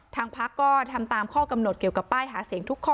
ทางพักก็ทำตามข้อกำหนดเกี่ยวกับป้ายหาเสียงทุกข้อ